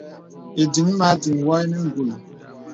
Ìdìŋ mə aliŋ wɔ nə ǹgùl.